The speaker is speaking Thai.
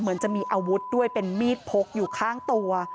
เหมือนจะมีอาวุธด้วยเป็นมีดพกอยู่ข้างตัว